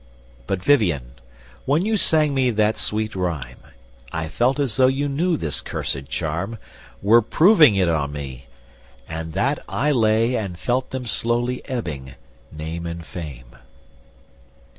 But, Vivien, when you sang me that sweet rhyme, I felt as though you knew this cursed charm, Were proving it on me, and that I lay And felt them slowly ebbing, name and fame."